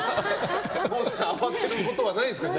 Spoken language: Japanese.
郷さんが慌てることはないんですか。